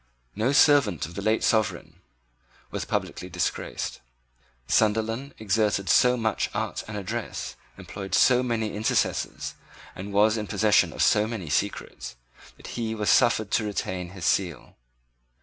No servant of the late sovereign was publicly disgraced. Sunderland exerted so much art and address, employed so many intercessors, and was in possession of so many secrets, that he was suffered to retain his seals.